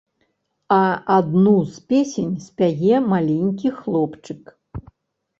А адну з песень спяе маленькі хлопчык.